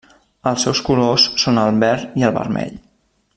Els seus colors són el verd i el vermell.